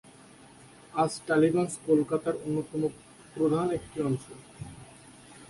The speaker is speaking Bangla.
আজ টালিগঞ্জ কলকাতার অন্যতম প্রধান একটি অঞ্চল।